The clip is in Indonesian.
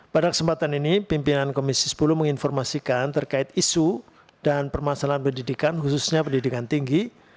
pada kesempatan ini pimpinan komisi sepuluh menginformasikan terkait isu dan permasalahan pendidikan khususnya pendidikan tinggi